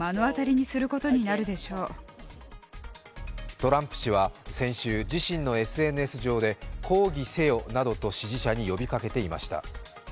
トランプ氏は先週、自身のＳＮＳ上で「抗議せよ」などと支持者に呼びかけていました。